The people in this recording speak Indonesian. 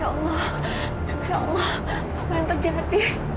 ya allah juga allah apa yang terjadi